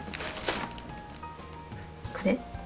これ？